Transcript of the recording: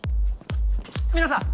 皆さん！